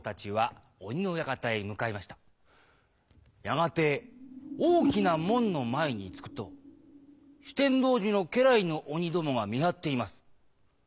やがて大きな門の前に着くと酒呑童子の家来の鬼どもが見張っています。